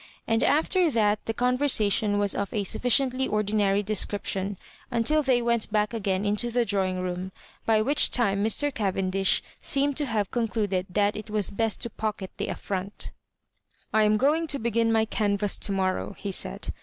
And after that the conversation was of a sufficiently ordinary description until they went back again into the drawing room, by which time Mr. Cavendish seemed to have con cluded that it was best to pocket the affront I am going to begin my canvass to morrow," he said.